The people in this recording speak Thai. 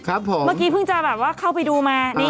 เมื่อกี้เพิ่งจะแบบว่าเข้าไปดูมา